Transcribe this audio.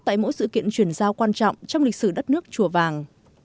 tại mỗi sự kiện chuyển giao quan trọng trong lịch sử đất nước chùa vàng